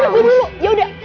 ya udah gue dulu ya udah